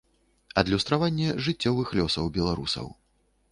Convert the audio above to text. Адлюстраванне жыццёвых лёсаў беларусаў.